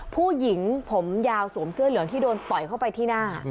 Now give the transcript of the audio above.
ผู้หญิงผมยาวสวมเสื้อเหลืองที่โดนต่อยเข้าไปที่หน้า